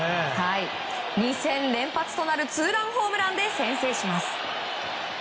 ２戦連発となるツーランホームランで先制します。